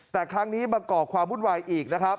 แต่ครั้งนี้มาก่อความบุ่นวายอีก